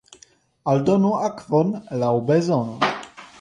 Aldonu akvon laŭ bezono.